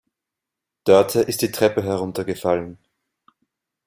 Dörte ist die Treppe heruntergefallen.